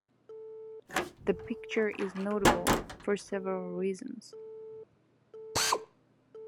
The picture is notable for several reasons.